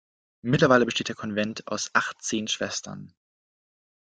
Mittlerweile besteht der Konvent aus achtzehn Schwestern.